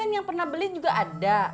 yang pernah beli juga ada